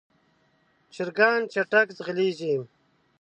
چرګان چټک ځغلېږي.